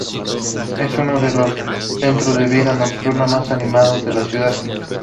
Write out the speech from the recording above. Es uno de los centros de vida nocturna más animados de la ciudad.